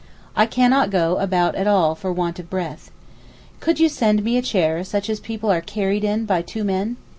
I cannot go about at all for want of breath. Could you send me a chair such as people are carried in by two men?